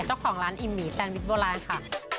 เจ้าของร้านอิ่มหมี่แซนวิชโบราณค่ะ